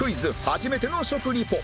初めての食リポ